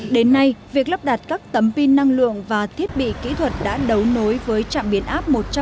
đến nay việc lắp đặt các tấm pin năng lượng và thiết bị kỹ thuật đã đấu nối với trạm biến áp